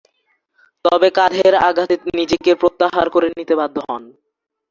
তবে, কাঁধের আঘাতে নিজেকে প্রত্যাহার করে নিতে বাধ্য হন।